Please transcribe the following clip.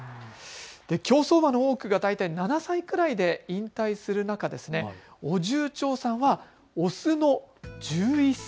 競走馬の多くが大体７歳くらいで引退する中、オジュウチョウサンはオスの１１歳。